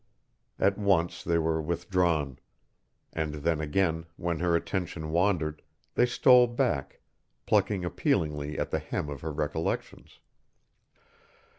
At once they were withdrawn. And then again, when her attention wandered, they stole back, plucking appealingly at the hem of her recollections.